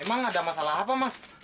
emang ada masalah apa mas